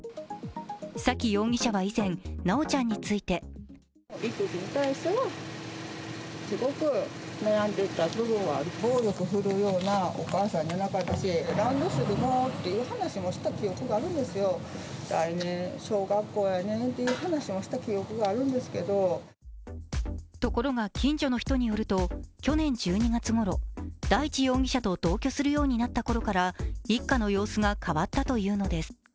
沙喜容疑者は以前、修ちゃんについてところが、近所の人によると、去年１２月ごろ、大地容疑者と同居するようになったころから一家の様子が変わったというのです。